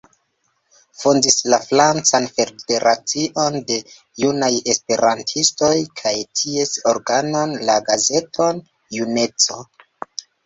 Fondis la Francan Federacion de Junaj Esperantistoj, kaj ties organon, la gazeton „juneco“.